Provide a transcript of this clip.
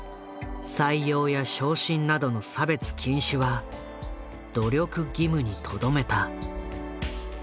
採用や昇進などの差別禁止は努力義務にとどめた。